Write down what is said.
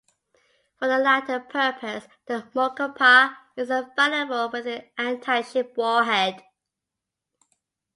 For the latter purpose, the Mokopa is available with an anti-ship warhead.